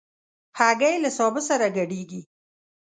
هګۍ له سابه سره ګډېږي.